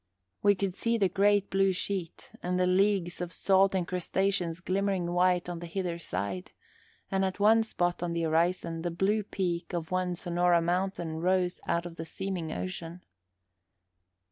We could see the great blue sheet and the leagues of salt incrustations glimmering white on the hither side, and at one spot on the horizon the blue peak of some Sonora mountain rose out of the seeming ocean.